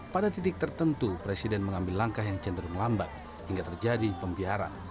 pada titik tertentu presiden mengambil langkah yang cenderung melambat hingga terjadi pembiaran